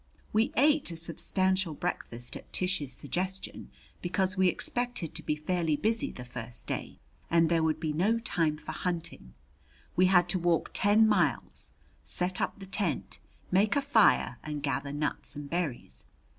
We ate a substantial breakfast at Tish's suggestion, because we expected to be fairly busy the first day, and there would be no time for hunting. We had to walk ten miles, set up the tent, make a fire and gather nuts and berries.